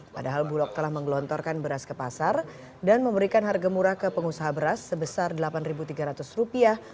padahal bulog telah menggelontorkan beras ke pasar dan memberikan harga murah ke pengusaha beras sebesar delapan tiga ratus rupiah